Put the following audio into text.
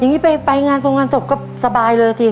อย่างนี้ไปงานตรงงานศพก็สบายเลยสิ